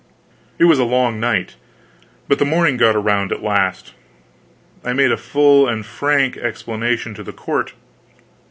It was a long night, but the morning got around at last. I made a full and frank explanation to the court.